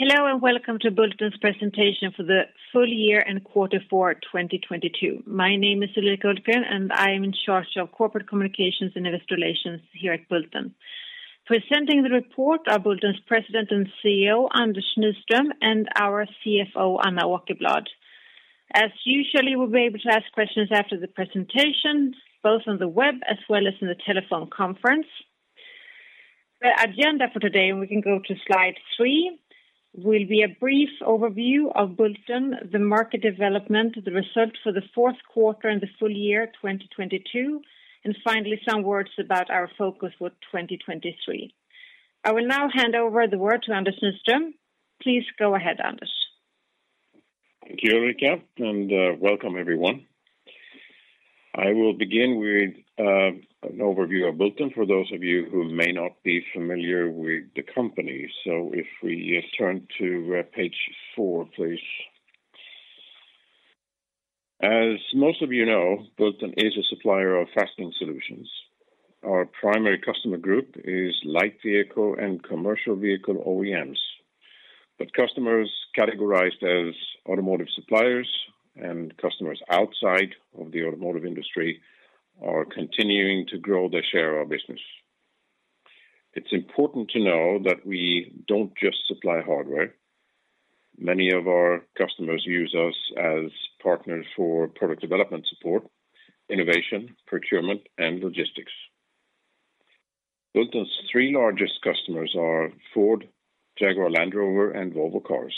Hello, welcome to Bulten's presentation for the full year and quarter for 2022. My name is Ulrika Hultgren, and I am in charge of Corporate Communications and Investor Relations here at Bulten. Presenting the report are Bulten's President and CEO, Anders Nyström, and our CFO, Anna Åkerblad. As usually, we'll be able to ask questions after the presentation, both on the web as well as in the telephone conference. The agenda for today, and we can go to Slide three, will be a brief overview of Bulten, the market development, the results for the fourth quarter and the full year 2022, and finally, some words about our focus for 2023. I will now hand over the word to Anders Nyström. Please go ahead, Anders. Thank you, Ulrika, welcome everyone. I will begin with an overview of Bulten for those of you who may not be familiar with the company. If we turn to Page four, please. As most of you know, Bulten is a supplier of fastening solutions. Our primary customer group is light vehicle and commercial vehicle OEMs. Customers categorized as automotive suppliers and customers outside of the automotive industry are continuing to grow their share of our business. It's important to know that we don't just supply hardware. Many of our customers use us as partners for product development support, innovation, procurement, and logistics. Bulten's three largest customers are Ford, Jaguar Land Rover, and Volvo Cars.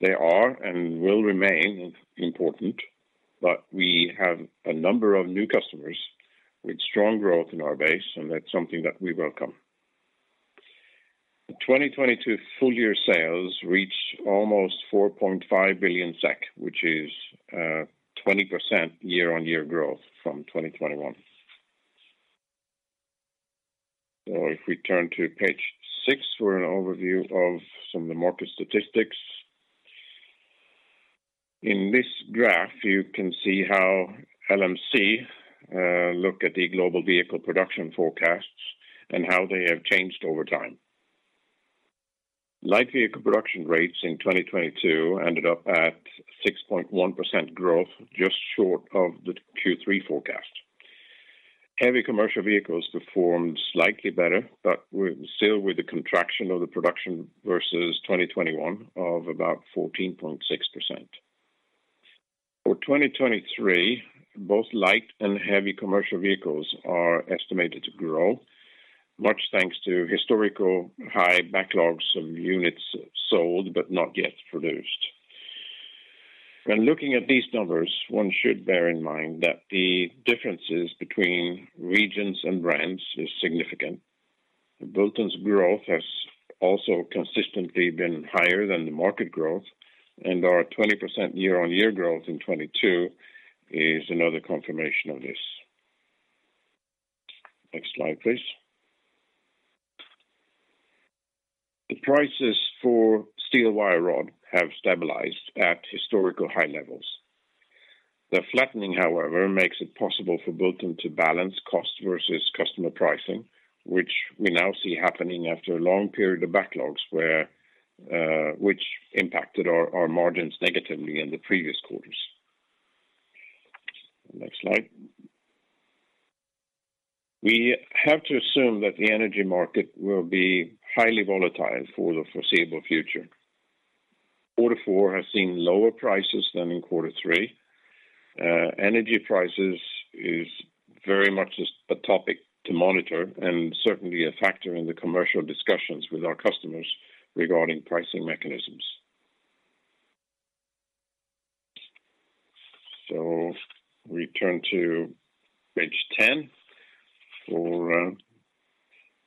They are and will remain important, we have a number of new customers with strong growth in our base, that's something that we welcome. The 2022 full year sales reached almost 4.5 billion SEK, which is 20% year-over-year growth from 2021. If we turn to Page six for an overview of some of the market statistics. In this graph, you can see how LMC look at the global vehicle production forecasts and how they have changed over time. Light vehicle production rates in 2022 ended up at 6.1% growth, just short of the Q3 forecast. Heavy commercial vehicles performed slightly better, but we're still with the contraction of the production versus 2021 of about 14.6%. For 2023, both light and heavy commercial vehicles are estimated to grow, much thanks to historical high backlogs of units sold but not yet produced. When looking at these numbers, one should bear in mind that the differences between regions and brands is significant. Bulten's growth has also consistently been higher than the market growth, our 20% year-on-year growth in 2022 is another confirmation of this. Next slide, please. The prices for steel wire rod have stabilized at historical high levels. The flattening, however, makes it possible for Bulten to balance cost versus customer pricing, which we now see happening after a long period of backlogs where, which impacted our margins negatively in the previous quarters. Next slide. We have to assume that the energy market will be highly volatile for the foreseeable future. Quarter four has seen lower prices than in quarter three. Energy prices is very much a topic to monitor and certainly a factor in the commercial discussions with our customers regarding pricing mechanisms. We turn to Page 10 for a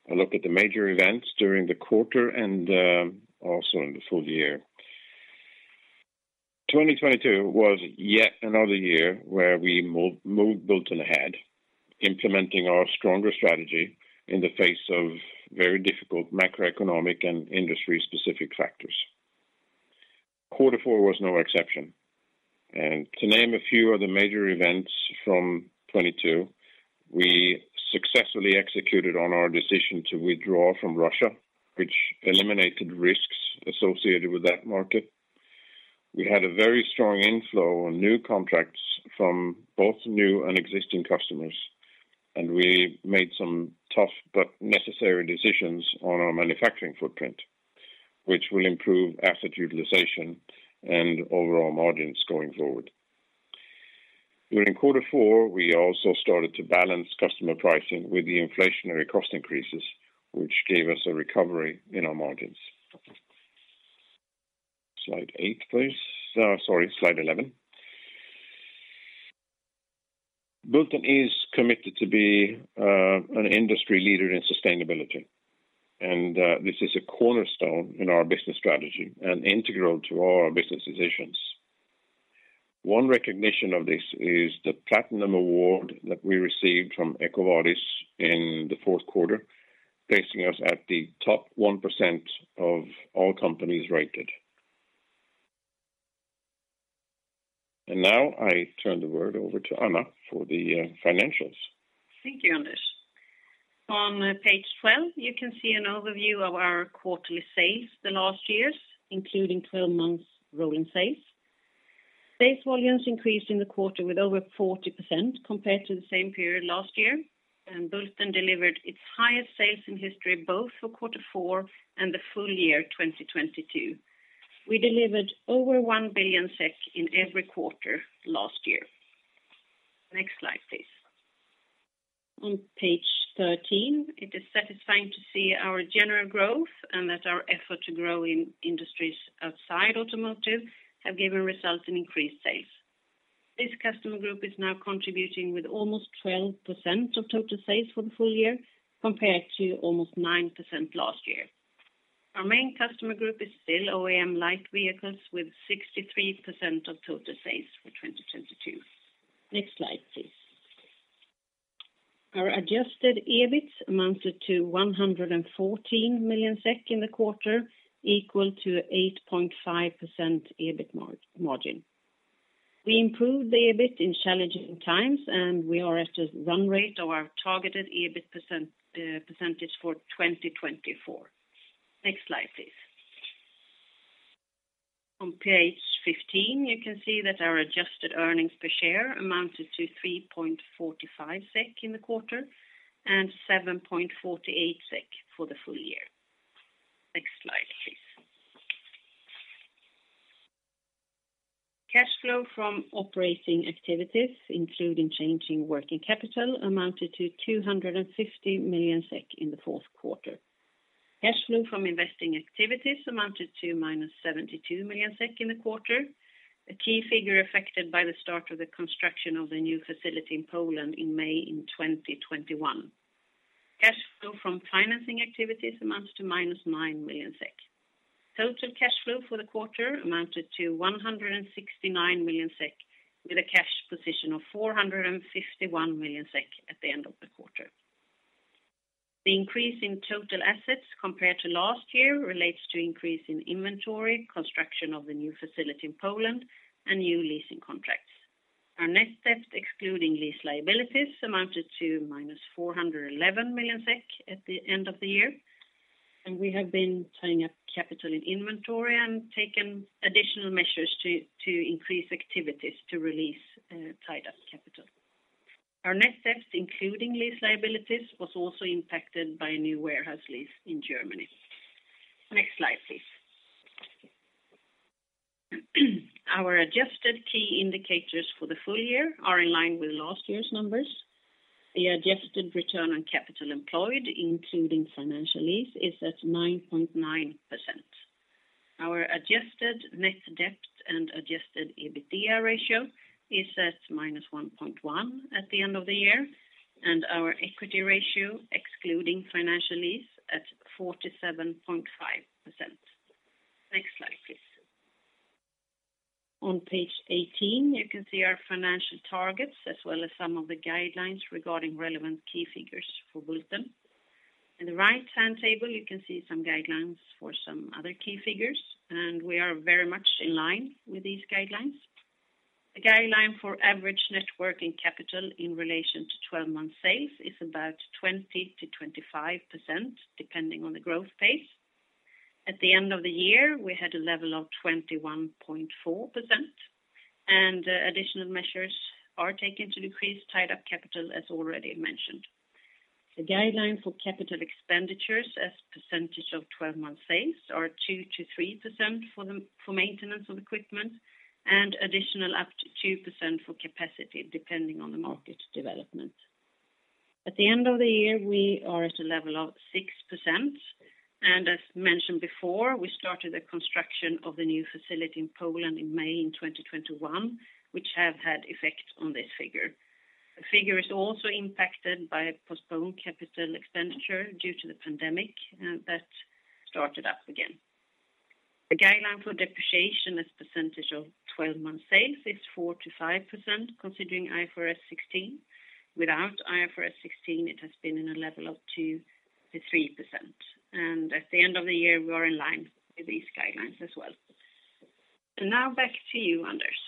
look at the major events during the quarter and also in the full year. 2022 was yet another year where we moved Bulten ahead, implementing our stronger strategy in the face of very difficult macroeconomic and industry-specific factors. Quarter four was no exception. To name a few of the major events from 2022, we successfully executed on our decision to withdraw from Russia, which eliminated risks associated with that market. We had a very strong inflow on new contracts from both new and existing customers, and we made some tough but necessary decisions on our manufacturing footprint, which will improve asset utilization and overall margins going forward. During quarter four, we also started to balance customer pricing with the inflationary cost increases, which gave us a recovery in our margins. Slide eight, please. Sorry, Slide 11. Bulten is committed to be an industry leader in sustainability, and this is a cornerstone in our business strategy and integral to all our business decisions. One recognition of this is the Platinum Award that we received from EcoVadis in the fourth quarter, placing us at the top 1% of all companies rated. Now I turn the word over to Anna for the financials. Thank you, Anders. On Page 12, you can see an overview of our quarterly sales the last years, including 12 months rolling sales. Sales volumes increased in the quarter with over 40% compared to the same period last year. Bulten delivered its highest sales in history, both for quarter four and the full year 2022. We delivered over 1 billion SEK in every quarter last year. Next slide, please. On Page 13, it is satisfying to see our general growth and that our effort to grow in industries outside automotive have given results in increased sales. This customer group is now contributing with almost 12% of total sales for the full year, compared to almost 9% last year. Our main customer group is still OEM light vehicles with 63% of total sales for 2022. Next slide, please. Our Adjusted EBIT amounted to 114 million SEK in the quarter, equal to 8.5% EBIT margin. We improved the EBIT in challenging times, and we are at a run rate of our targeted EBIT percentage for 2024. Next slide, please. On Page 15, you can see that our adjusted earnings per share amounted to 3.45 SEK in the quarter and 7.48 SEK for the full year. Next slide, please. Cash flow from operating activities, including change in working capital, amounted to 250 million SEK in the fourth quarter. Cash flow from investing activities amounted to minus 72 million SEK in the quarter, a key figure affected by the start of the construction of the new facility in Poland in May in 2021. Cash flow from financing activities amounts to minus 9 million SEK. Total cash flow for the quarter amounted to 169 million SEK, with a cash position of 451 million SEK at the end of the quarter. The increase in total assets compared to last year relates to increase in inventory, construction of the new facility in Poland, and new leasing contracts. Our net debt, excluding lease liabilities, amounted to minus 411 million SEK at the end of the year, and we have been tying up capital in inventory and taken additional measures to increase activities to release tied-up capital. Our net debt, including lease liabilities, was also impacted by a new warehouse lease in Germany. Next slide, please. Our adjusted key indicators for the full year are in line with last year's numbers. The adjusted return on capital employed, including financial lease, is at 9.9%. Our adjusted net debt and Adjusted EBITDA ratio is at -1.1 at the end of the year, and our equity ratio, excluding financial lease, at 47.5%. Next slide, please. On Page 18, you can see our financial targets as well as some of the guidelines regarding relevant key figures for Bulten. In the right-hand table, you can see some guidelines for some other key figures, and we are very much in line with these guidelines. The guideline for average net working capital in relation to 12-month sales is about 20%-25%, depending on the growth pace. At the end of the year, we had a level of 21.4%, and additional measures are taken to decrease tied-up capital, as already mentioned. The guideline for CapEx as percentage of 12-month sales are 2%-3% for maintenance of equipment and additional up to 2% for capacity, depending on the market development. At the end of the year, we are at a level of 6%. As mentioned before, we started the construction of the new facility in Poland in May in 2021, which have had effect on this figure. The figure is also impacted by a postponed CapEx due to the pandemic that started up again. The guideline for depreciation as percentage of 12-month sales is 4%-5% considering IFRS 16. Without IFRS 16, it has been in a level of 2%-3%. At the end of the year, we are in line with these guidelines as well. Now back to you, Anders.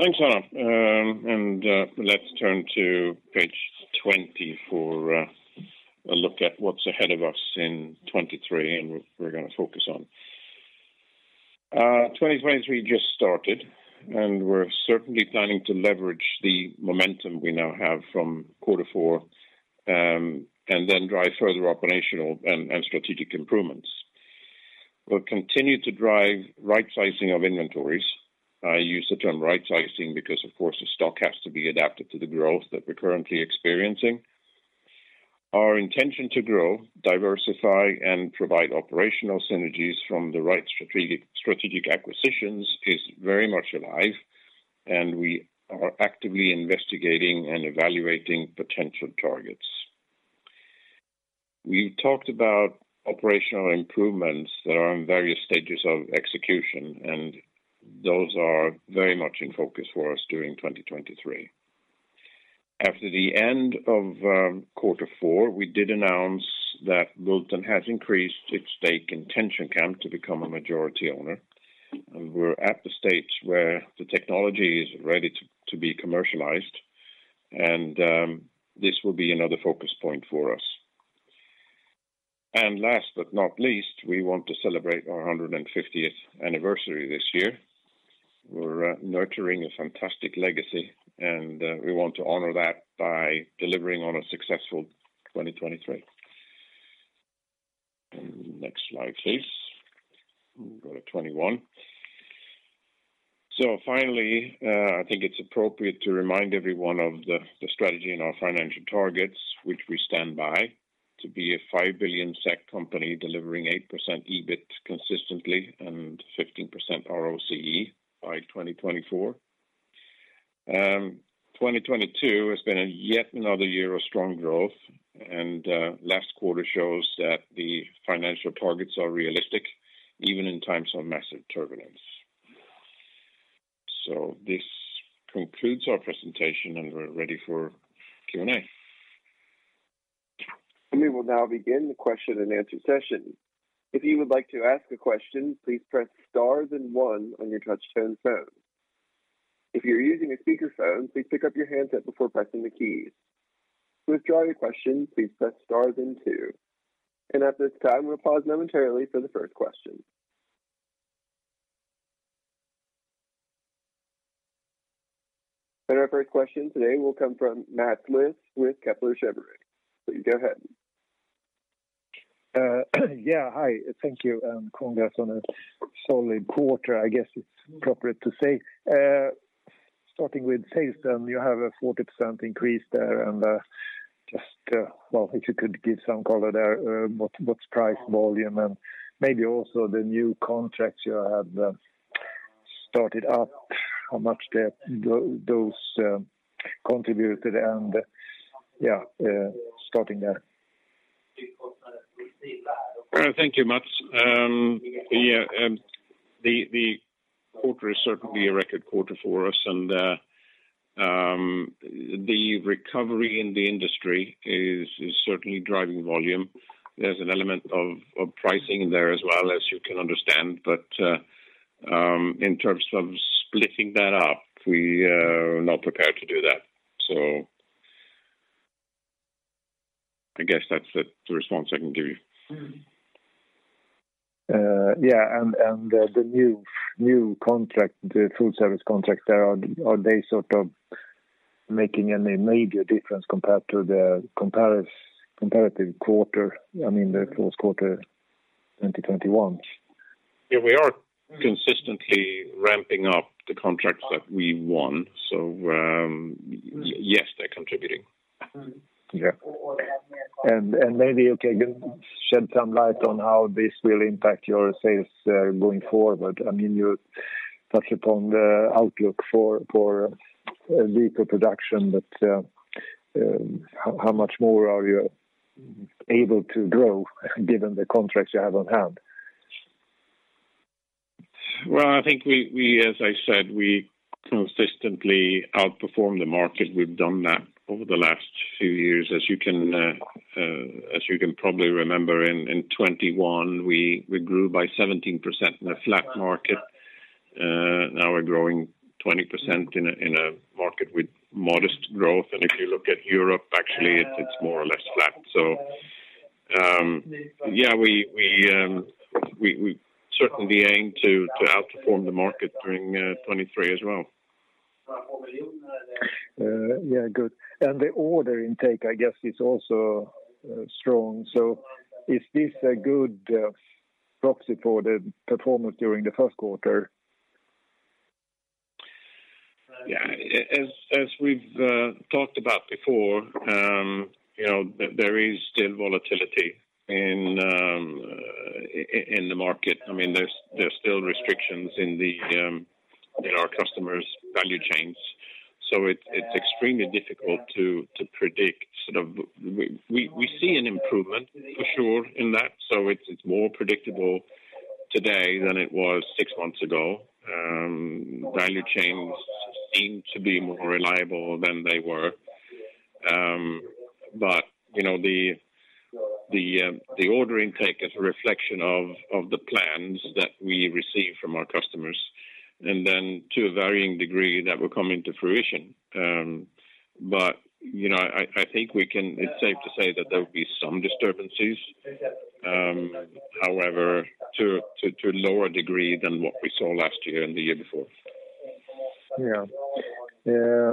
Thanks, Anna. Let's turn to Page 20 for a look at what's ahead of us in 2023, and we're gonna focus on. 2023 just started, and we are certainly planning to leverage the momentum we now have from quarter four, and then drive further operational and strategic improvements. We'll continue to drive right sizing of inventories. I use the term right sizing because, of course, the stock has to be adapted to the growth that we're currently experiencing. Our intention to grow, diversify, and provide operational synergies from the right strategic acquisitions is very much alive, and we are actively investigating and evaluating potential targets. We talked about operational improvements that are in various stages of execution, and those are very much in focus for us during 2023. After the end of quarter four, we did announce that Bulten has increased its stake in TensionCam to become a majority owner. We're at the stage where the technology is ready to be commercialized, and this will be another focus point for us. Last but not least, we want to celebrate our 150th anniversary this year. We're nurturing a fantastic legacy, and we want to honor that by delivering on a successful 2023. Next slide, please. Go to 21. Finally, I think it's appropriate to remind everyone of the strategy and our financial targets, which we stand by to be a 5 billion SEK company delivering 8% EBIT consistently and 15% ROCE by 2024. 2022 has been a yet another year of strong growth. Last quarter shows that the financial targets are realistic even in times of massive turbulence. This concludes our presentation, and we're ready for Q&A. We will now begin the question-and-answer session. If you would like to ask a question, please press star then one on your touchtone phone. If you're using a speakerphone, please pick up your handset before pressing the keys. To withdraw your question, please press star then two. At this time, we'll pause momentarily for the first question. Our first question today will come from Mats Liss with Kepler Cheuvreux. Please go ahead. Yeah, hi. Thank you, and congrats on a solid quarter, I guess it's appropriate to say. Starting with sales then, you have a 40% increase there and, well, if you could give some color there, what's price volume and maybe also the new contracts you have started up, how much those contributed and, yeah, starting there. Thank you, Mats. Yeah, the quarter is certainly a record quarter for us, and the recovery in the industry is certainly driving volume. There's an element of pricing in there as well, as you can understand. In terms of splitting that up, we are not prepared to do that. I guess that's the response I can give you. Yeah, the new contract, the FSP contract there, are they sort of making any major difference compared to the comparative quarter, I mean, the fourth quarter 2021? Yeah, we are consistently ramping up the contracts that we won. Yes, they're contributing. Yeah. Maybe you can shed some light on how this will impact your sales, going forward. I mean, you touched upon the outlook for vehicle production, but how much more are you able to grow given the contracts you have on hand? Well, I think we, as I said, we consistently outperform the market. We've done that over the last few years. As you can, as you can probably remember, in 2021, we grew by 17% in a flat market. Now we're growing 20% in a market with modest growth. If you look at Europe, actually it's more or less flat. Yeah, we certainly aim to outperform the market during 2023 as well. Yeah. Good. The order intake, I guess, is also strong. Is this a good proxy for the performance during the first quarter? Yeah. As we've talked about before, you know, there is still volatility in the market. I mean, there's still restrictions in the in our customers' value chains. It's extremely difficult to predict sort of... We see an improvement for sure in that. It's more predictable today than it was six months ago. Value chains seem to be more reliable than they were. You know, the order intake is a reflection of the plans that we receive from our customers, and then to a varying degree that will come into fruition. You know, I think it's safe to say that there will be some disturbances, however, to a lower degree than what we saw last year and the year before. Yeah. Yeah.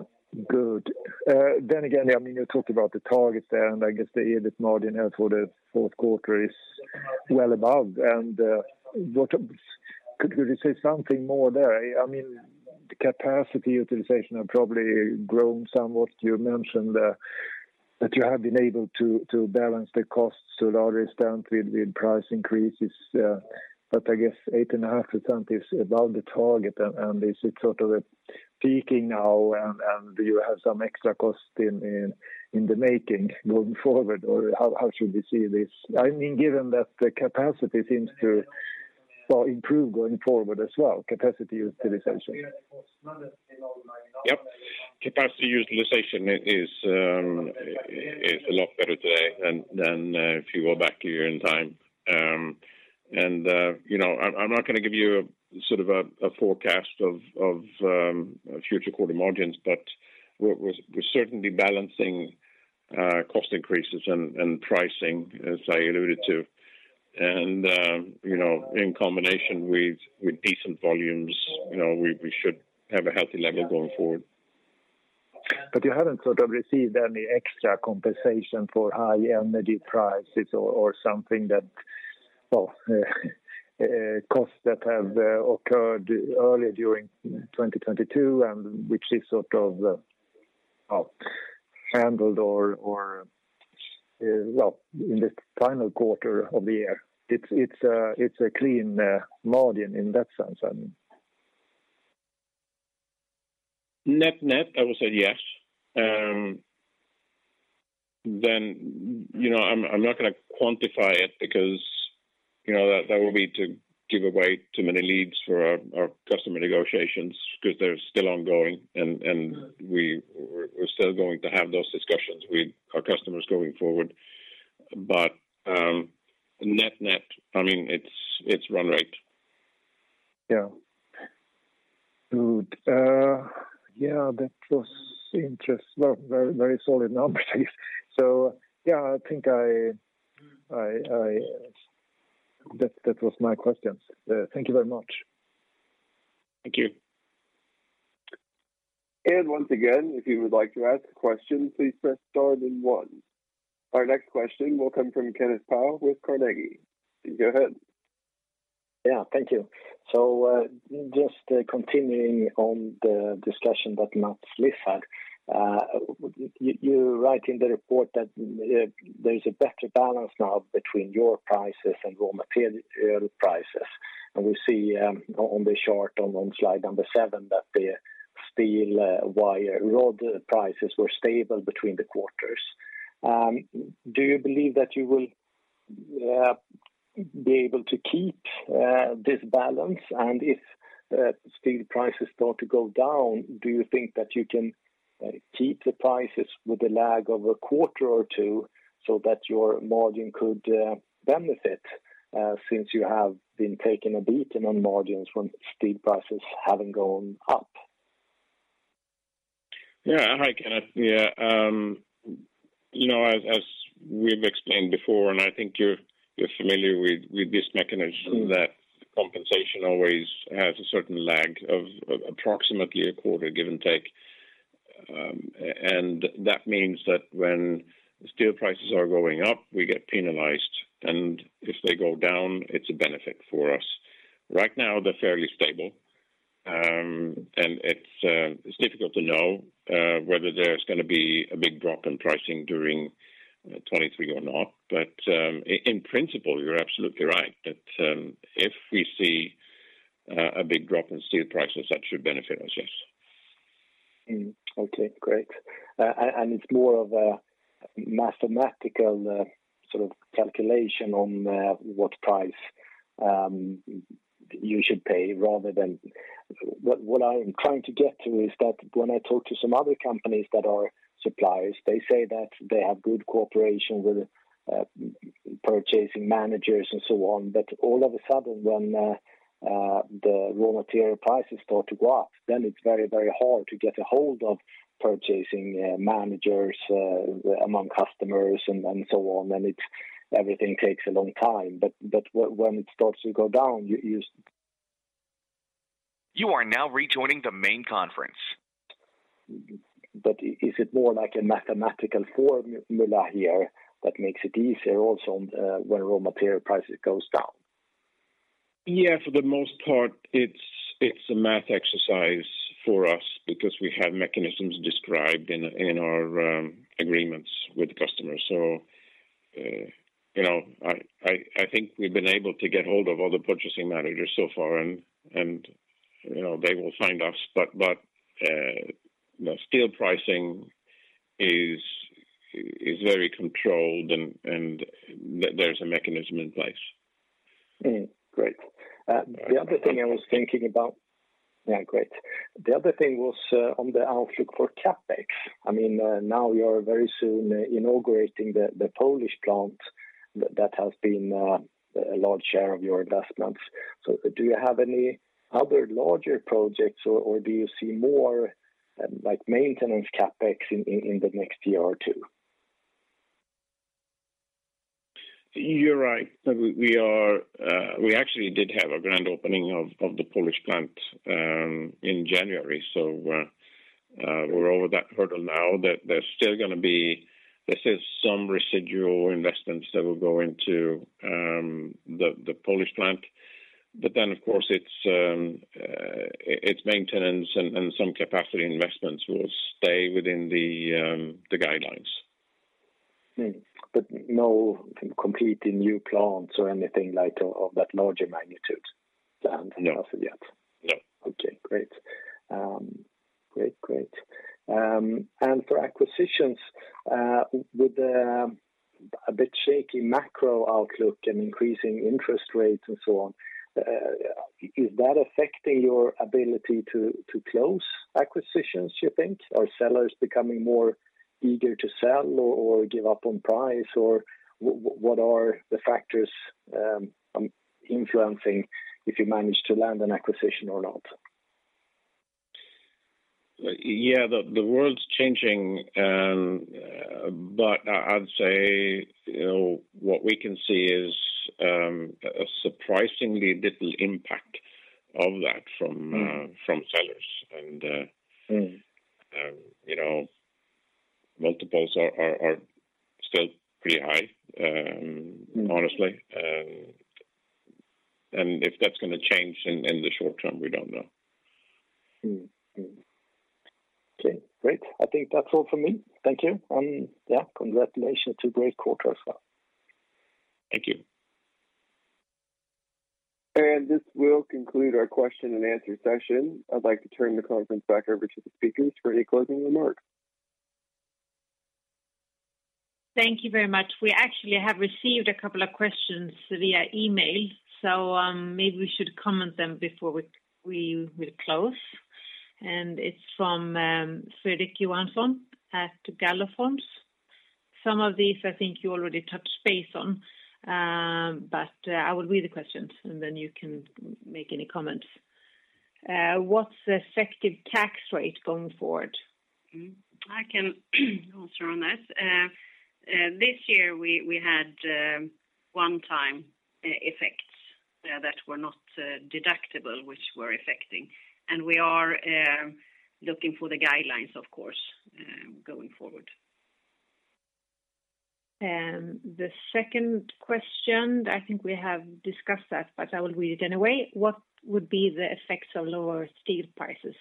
Good. Again, I mean, you talked about the targets there, and I guess the EBIT margin there for the fourth quarter is well above. Could you say something more there? I mean, the capacity utilization have probably grown somewhat. You mentioned that you have been able to balance the costs to a large extent with price increases. I guess 8.5% is above the target. Is it sort of peaking now, and do you have some extra cost in the making going forward? How should we see this? I mean, given that the capacity seems to improve going forward as well, capacity utilization Yep. Capacity utilization is a lot better today than if you go back a year in time. You know, I'm not gonna give you sort of a forecast of future quarter margins, but we're certainly balancing cost increases and pricing, as I alluded to. In combination with decent volumes, you know, we should have a healthy level going forward. You haven't sort of received any extra compensation for high energy prices or something that, well, costs that have occurred early during 2022 and which is sort of, handled or, well, in the final quarter of the year. It's, it's a, it's a clean margin in that sense, I mean. Net-net, I will say yes. You know, I'm not gonna quantify it because, you know, that will be to give away too many leads for our customer negotiations because they're still ongoing and we're still going to have those discussions with our customers going forward. Net-net, I mean, it's run rate. Yeah. Good. Yeah, that was Well, very solid numbers. Yeah, I think I. That was my questions. Thank you very much. Thank you. Once again, if you would like to ask a question, please press star then one. Our next question will come from Kenneth Toll with Carnegie. Go ahead. Yeah, thank you. Just continuing on the discussion that Mats Liss had. You, you write in the report that there's a better balance now between your prices and raw material prices. We see on the chart on Slide number seven that the steel wire rod prices were stable between the quarters. Do you believe that you will be able to keep this balance? If steel prices start to go down, do you think that you can keep the prices with a lag of a quarter or two so that your margin could benefit since you have been taking a beating on margins from steel prices having gone up? Hi, Kenneth. You know, as we've explained before, and I think you're familiar with this mechanism, that compensation always has a certain lag of approximately a quarter, give and take. That means that when steel prices are going up, we get penalized, and if they go down, it's a benefit for us. Right now, they're fairly stable, and it's difficult to know whether there's gonna be a big drop in pricing during 2023 or not. In principle, you're absolutely right that if we see a big drop in steel prices, that should benefit us, yes. Okay, great. And it's more of a mathematical sort of calculation on what price you should pay rather than... What I'm trying to get to is that when I talk to some other companies that are suppliers, they say that they have good cooperation with purchasing managers and so on. All of a sudden, when the raw material prices start to go up, then it's very, very hard to get a hold of purchasing managers among customers and so on, and it's everything takes a long time. When it starts to go down, you. You are now rejoining the main conference. Is it more like a mathematical formula here that makes it easier also on, when raw material prices goes down? Yeah, for the most part, it's a math exercise for us because we have mechanisms described in our agreements with customers. You know, I think we've been able to get hold of all the purchasing managers so far and, you know, they will find us. You know, steel pricing is very controlled and there's a mechanism in place. Great. The other thing I was thinking about... Yeah, great. The other thing was on the outlook for CapEx. I mean, now you're very soon inaugurating the Polish plant that has been a large share of your investments. Do you have any other larger projects or do you see more like maintenance CapEx in the next year or two? You're right. We are actually did have a grand opening of the Polish plant in January. We're over that hurdle now. There's still gonna be. There is some residual investments that will go into the Polish plant. Of course, its maintenance and some capacity investments will stay within the guidelines. No completely new plants or anything like of that larger magnitude? Nothing yet? No. Okay, great. Great, great. For acquisitions, with the a bit shaky macro outlook and increasing interest rates and so on, is that affecting your ability to close acquisitions, you think? Are sellers becoming more eager to sell or give up on price? Or what are the factors, influencing if you manage to land an acquisition or not? Yeah. The, the world's changing, I'd say, you know, what we can see is a surprisingly little impact of that from. Mm. From sellers. Mm. You know, multiples are still pretty high. Mm. Honestly. If that's gonna change in the short term, we don't know. Okay, great. I think that's all for me. Thank you. Yeah, congratulations to great quarter as well. Thank you. This will conclude our question and answer session. I'd like to turn the conference back over to the speakers for any closing remarks. Thank you very much. We actually have received a couple of questions via email, so maybe we should comment them before we close. It's from Fredrik Johansson at Galler & Co. Some of these I think you already touched base on, but I will read the questions and then you can make any comments. What's the effective tax rate going forward? Mm. I can answer on that. This year we had one-time effects that were not deductible, which were affecting. We are looking for the guidelines, of course, going forward. The second question, I think we have discussed that, but I will read it anyway. What would be the effects of lower steel prices?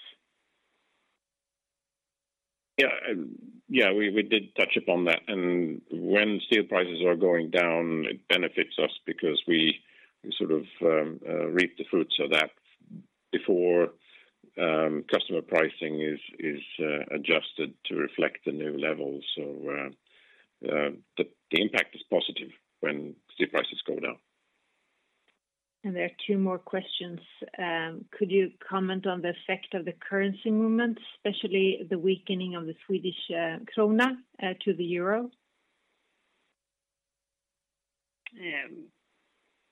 Yeah. We did touch upon that. When steel prices are going down, it benefits us because we sort of, reap the fruits of that before, customer pricing is adjusted to reflect the new levels. The impact is positive when steel prices go down. There are two more questions. Could you comment on the effect of the currency movement, especially the weakening of the Swedish krona to the euro?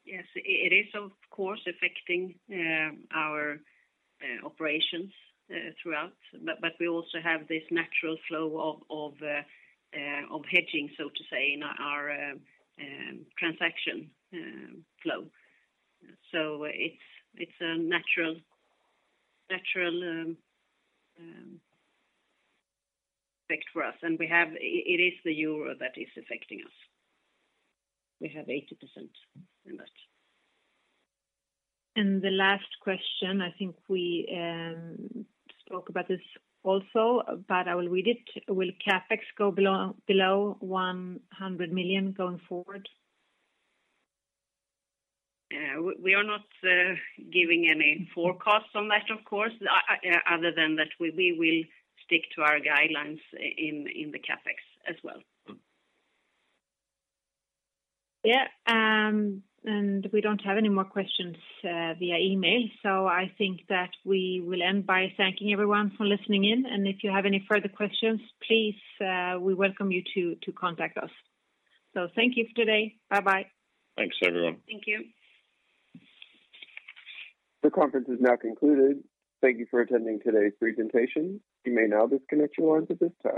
Yes, it is of course affecting our operations throughout, but we also have this natural flow of hedging, so to say, in our transaction flow. It's a natural effect for us. It is the euro that is affecting us. We have 80% in that. The last question, I think we spoke about this also, but I will read it. Will CapEx go below 100 million going forward? We are not giving any forecasts on that, of course, other than that we will stick to our guidelines in the CapEx as well. Yeah. We don't have any more questions, via email. I think that we will end by thanking everyone for listening in. If you have any further questions, please, we welcome you to contact us. Thank you for today. Bye-bye. Thanks, everyone. Thank you. The conference is now concluded. Thank you for attending today's presentation. You may now disconnect your lines at this time.